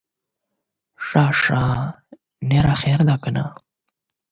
ښه ښه, نور خير دے که نه؟